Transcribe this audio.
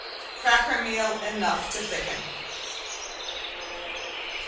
Cracker meal enough to thicken.